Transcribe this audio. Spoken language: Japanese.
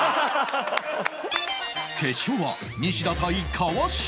決勝は西田対川島